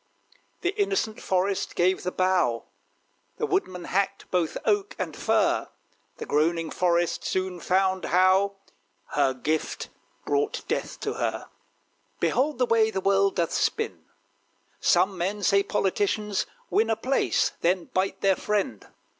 The innocent Forest gave the bough. The Woodman hacked both oak and fir! The groaning Forest soon found how Her gift brought death to her. Behold the way the world doth spin. Some men say, politicians win A place: then bite their friend!